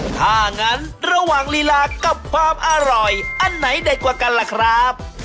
ถ้างั้นระหว่างลีลากับความอร่อยอันไหนเด็ดกว่ากันล่ะครับ